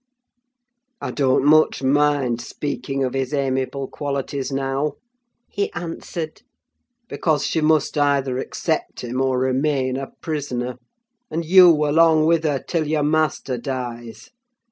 "I don't much mind speaking of his amiable qualities now," he answered; "because she must either accept him or remain a prisoner, and you along with her, till your master dies.